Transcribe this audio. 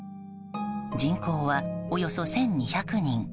人口はおよそ１２００人。